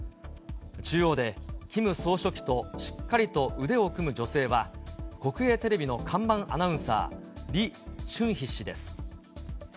中央で、キム総書記としっかりと腕を組む女性は、国営テレビの看板アナウンサー、リ・チュンヒ氏です。